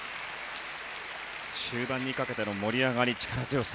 終盤にかけての盛り上がり、力強さ